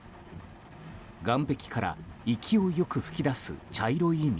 岩壁から勢いよく噴き出す茶色い水。